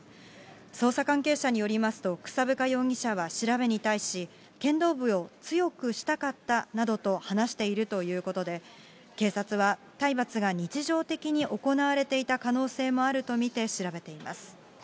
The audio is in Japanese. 捜査関係者によりますと、草深容疑者は調べに対し、剣道部を強くしたかったなどと話しているということで、警察は、体罰が日常的に行われていた可能性もあると見て調べています。